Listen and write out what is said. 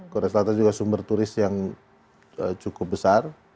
korea selatan juga sumber turis yang cukup besar